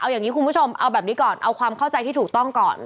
อย่างนี้คุณผู้ชมเอาแบบนี้ก่อนเอาความเข้าใจที่ถูกต้องก่อน